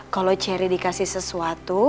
kalau ceri dikasih sesuatu